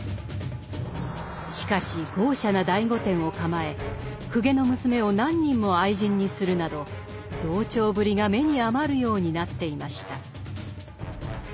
しかし豪奢な大御殿を構え公家の娘を何人も愛人にするなど増長ぶりが目に余るようになっていました。